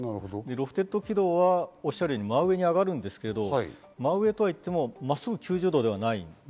ロフテッド軌道はおっしゃるように真上に上がるんですけど真上とはいっても、真っすぐの９０度ではない。